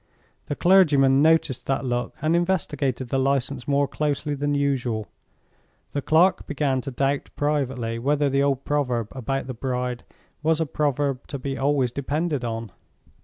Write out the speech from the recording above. The clergyman noticed that look, and investigated the License more closely than usual. The clerk began to doubt privately whether the old proverb about the bride was a proverb to be always depended on.